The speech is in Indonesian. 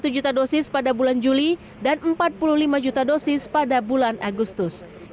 satu juta dosis pada bulan juli dan empat puluh lima juta dosis pada bulan agustus